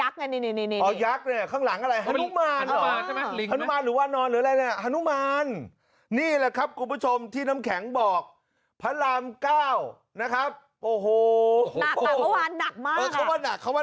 แต่คือเป็นรูปปั้นยักษ์ไป